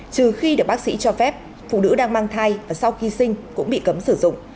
trừ khi được bác sĩ cho phép phụ nữ đang mang thai và sau khi sinh cũng bị cấm sử dụng